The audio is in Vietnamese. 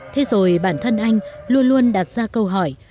thế rồi bản thân anh luôn luôn đặt ra câu hỏi